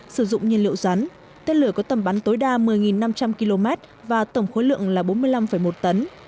sử dụng nhiên liệu rắn tên lửa có tầm bắn tối đa một mươi năm trăm linh km và tổng khối lượng là bốn mươi năm một tấn